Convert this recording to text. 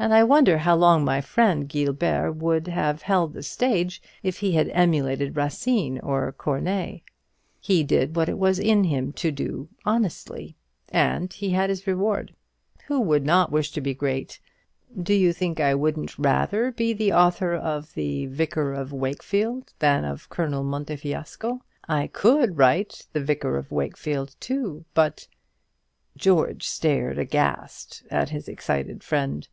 and I wonder how long my friend Guilbert would have held the stage, if he had emulated Racine or Corneille. He did what it was in him to do, honestly; and he had his reward. Who would not wish to be great? Do you think I wouldn't rather be the author of the 'Vicar of Wakefield' than of 'Colonel Montefiasco?' I could write the 'Vicar of Wakefield,' too, but " George stared aghast at his excited friend.